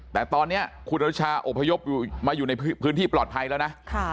แต่ตอนนี้คุณอนุชาอบพยพมาอยู่ในพื้นที่ปลอดภัยแล้วนะ